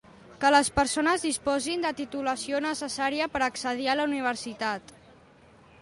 Que les persones disposin de la titulació necessària per accedir a la universitat.